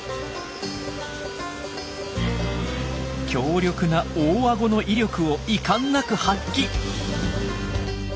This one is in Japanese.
強力な大あごの威力を遺憾なく発揮！